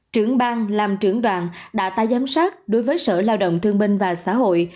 trưởng bang làm trưởng đoàn đã ta giám sát đối với sở lao động thương minh và xã hội